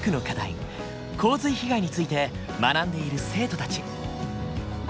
洪水被害について学んでいる生徒たち。